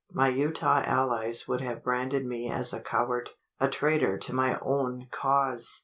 My Utah allies would have branded me as a coward a traitor to my own cause!